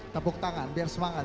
tepuk tangan biar semangat